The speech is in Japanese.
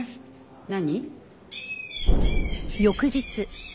何？